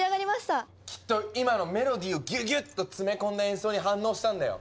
きっと今のメロディーをギュギュッとつめ込んだ演奏に反応したんだよ。